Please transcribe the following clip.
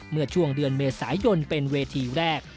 เมื่อช่วงเดือนเมษายนเป็นเวทีแรก